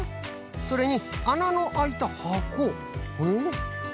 それにあなのあいたはこえっ？